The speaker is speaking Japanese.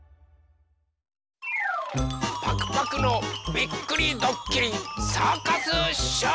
パクパクのびっくりどっきりサーカスショー！